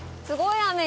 すごい雨。